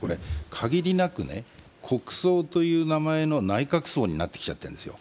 限りなく国葬という名前の内閣葬になってきちゃってるんですよ。